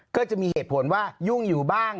ก็จะมีเหตุผลว่ายุ่งอยู่บ้าง